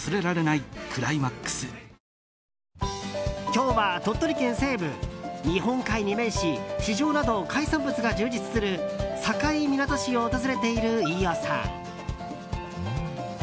今日は鳥取県西部日本海に面し市場など海産物が充実する境港市を訪れている飯尾さん。